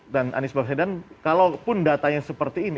dan anies baswedan kalaupun datanya seperti ini